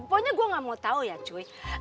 pokoknya gue gak mau tahu ya cuy